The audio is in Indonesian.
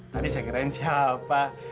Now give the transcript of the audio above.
tadi saya kirain siapa